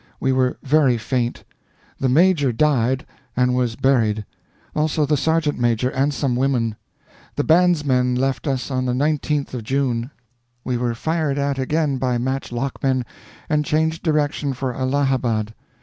We were very faint. The Major died, and was buried; also the Sergeant major and some women. The bandsmen left us on the nineteenth of June. We were fired at again by match lockmen, and changed direction for Allahabad.